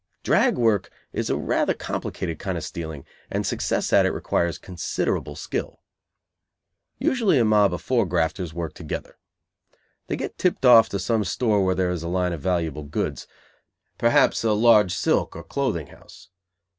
"Drag" work is a rather complicated kind of stealing and success at it requires considerable skill. Usually a "mob" of four grafters work together. They get "tipped off" to some store where there is a line of valuable goods, perhaps a large silk or clothing house.